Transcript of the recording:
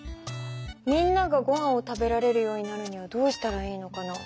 みんながごはんを食べられるようになるにはどうしたらいいのかな？